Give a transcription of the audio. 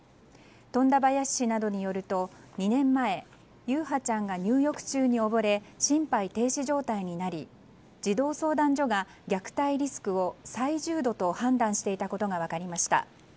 富田林市などによると２年前優陽ちゃんが入浴中におぼれ心肺停止状態になり児童相談所が虐待リスクを最重度と判断していたことが分かりました。